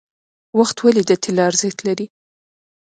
وخت ولې د طلا ارزښت لري؟